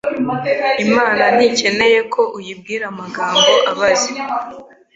Imana ntikeneye ko uyibwira amagambo abaze